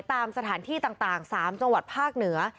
ตามสถานที่ต่าง๓จังหวัดภาคเหนือ